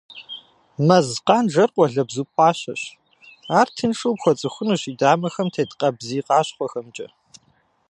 Мэз къанжэр къуалэбзу пӏащэщ, ар тыншу къыпхуэцӏыхунущ и дамэхэм тет къабзий къащхъуэхэмкӏэ.